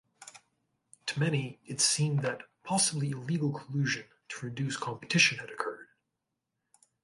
To many, it seemed that possibly illegal collusion to reduce competition had occurred.